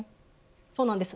そうなんです。